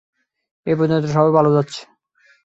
এ পর্যন্ত সবই ভাল যাচ্ছে।